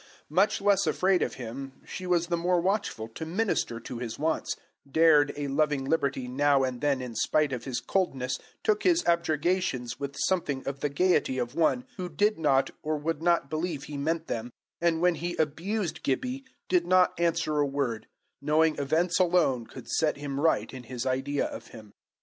Much less afraid of him, she was the more watchful to minister to his wants, dared a loving liberty now and then in spite of his coldness, took his objurgations with something of the gaiety of one who did not or would not believe he meant them, and when he abused Gibbie, did not answer a word, knowing events alone could set him right in his idea of him.